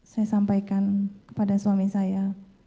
saya sampaikan kepada suami saya